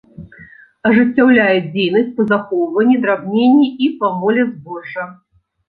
Ажыццяўляе дзейнасць па захоўванні, драбненні і памоле збожжа.